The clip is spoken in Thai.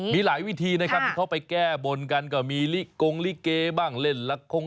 มีหลายวิธีนะครับที่เขาไปแก้บนกันก็มีลิกงลิเกบ้างเล่นละคร